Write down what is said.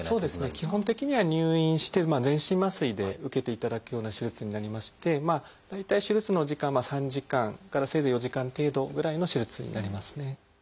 基本的には入院して全身麻酔で受けていただくような手術になりまして大体手術の時間は３時間からせいぜい４時間程度ぐらいの手術になりますね。